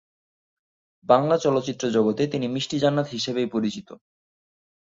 বাংলা চলচ্চিত্র জগতে তিনি মিষ্টি জান্নাত হিসেবেই পরিচিত।